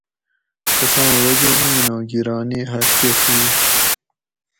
تساں وجہ اِینوں گِرانی حد کہ پِھیڛت